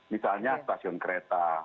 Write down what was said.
misalnya stasiun kereta